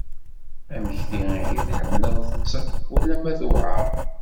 Amek! Ihi tḥemmleḍ-tt ulamma tuɛer?